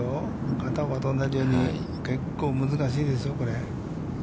片岡と同じように結構難しいですよ、これ。